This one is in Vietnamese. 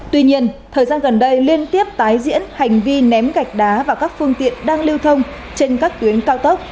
tuy nhiên thời gian gần đây liên tiếp tái diễn hành vi ném gạch đá và các phương tiện đang lưu thông trên các tuyến cao tốc